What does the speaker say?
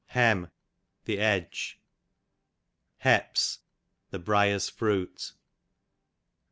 Hem, the edge. Heps, the briers fruit.